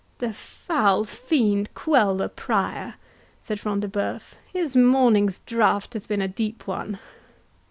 "The foul fiend quell the Prior!" said Front de Bœuf; "his morning's drought has been a deep one.